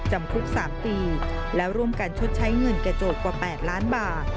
จำคุก๓ปีแล้วร่วมกันชดใช้เงินแก่โจทย์กว่า๘ล้านบาท